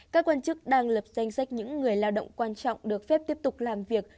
các quan chức đang lập danh sách những người lao động quan trọng được phép tiếp tục làm việc